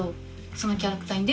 そのキャラクターに。